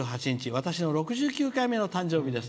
私の６９回目の誕生日です」。